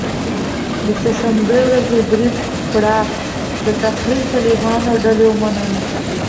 د سه شنبې ورځې برید پړه د تحریک طالبان ډلې ومنله